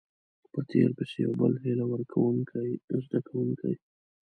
په تير پسې يو بل هيله ورکوونکۍ زده کوونکي